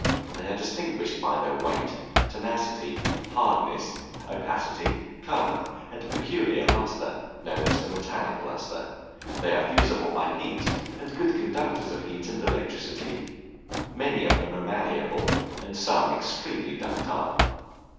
They are distinguished by their weight, tenacity, hardness, opacity, color, and peculiar lustre, known as the metallic lustre; they are fusible by heat, and good conductors of heat and electricity; many of them are malleable, and some extremely ductile.